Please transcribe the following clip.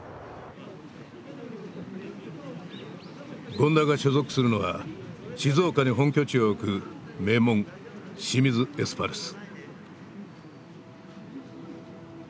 権田が所属するのは静岡に本拠地を置く名門清水エスパルス。